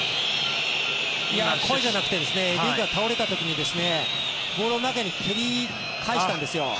いや、声じゃなくてデュークが倒れた時にボールを中に蹴り返したんですよ。